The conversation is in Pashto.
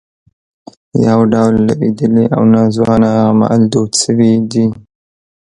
یو ډول لوېدلي او ناځوانه اعمال دود شوي دي.